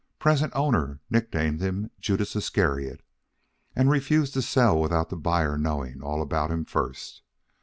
Present owner nicknamed him Judas Iscariot, and refuses to sell without the buyer knowing all about him first.